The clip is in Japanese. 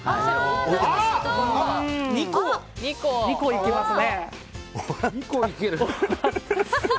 ２個いきますね。